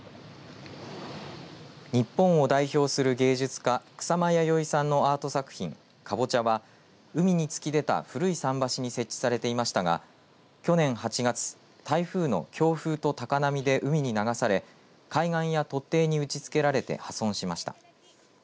日本を代表する芸術家草間彌生さんのアート作品南瓜は海に突き出た古い桟橋に設置されていましたが去年８月、台風の強風と高波で海に流され海岸や突堤に打ちつけられて破損しました。